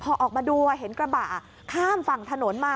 พอออกมาดูเห็นกระบะข้ามฝั่งถนนมา